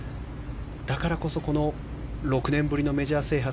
だからこそ６年ぶりのメジャー制覇